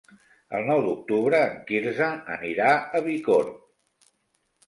El nou d'octubre en Quirze anirà a Bicorb.